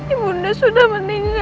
ibunda sudah meninggal raka